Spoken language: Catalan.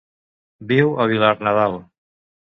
Viu a Vilarnadal.